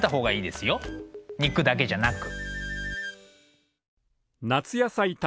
肉だけじゃなく。